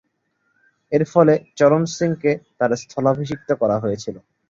এরফলে, চরণ সিংকে তার স্থলাভিষিক্ত করা হয়েছিল।